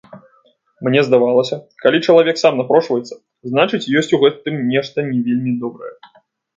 Мне здавалася, калі чалавек сам напрошваецца, значыць, ёсць у гэтым нешта не вельмі добрае.